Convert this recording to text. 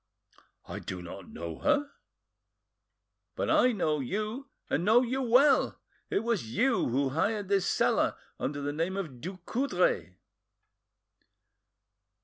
"I do not know her." "But I know you, and know you well. It was you who hired this cellar under the name of Ducoudray."